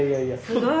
すごい。